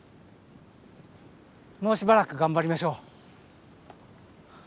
もうしばらく頑張りましょう。